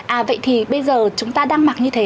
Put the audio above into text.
à vậy thì bây giờ chúng ta đang mặc như thế